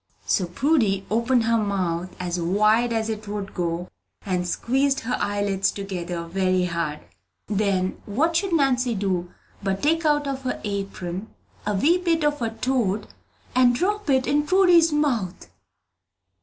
'" So Prudy opened her mouth as wide as it would go, and squeezed her eyelids together very hard. Then what should Nancy do, but take out of her apron a wee bit of a toad, and drop it in Prudy's mouth!